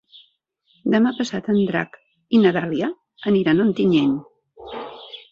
Demà passat en Drac i na Dàlia aniran a Ontinyent.